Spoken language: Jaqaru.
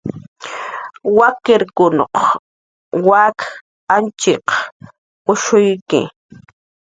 Wakiruq wak Añtxiq wishshuyki.